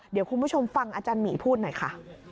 เดี๋ยวคุณผู้ชมฟังอาจารย์หมีพูดหน่อยค่ะ